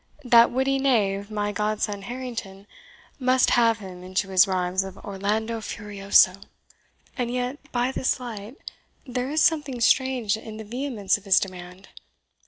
That witty knave, my godson Harrington, must have him into his rhymes of Orlando Furioso! And yet, by this light, there is something strange in the vehemence of his demand.